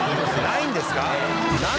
ないんですか？